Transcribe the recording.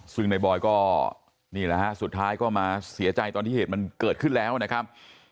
ซึ่งในบอยก็นี่แหละฮะสุดท้ายก็มาเสียใจตอนที่เหตุมันเกิดขึ้นแล้วนะครับ